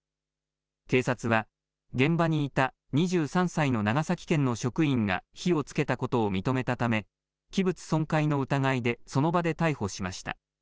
警察は現場にいた２３歳の長崎県の職員が火をつけたことを認めたため器物損壊の疑いでその場で逮捕しました。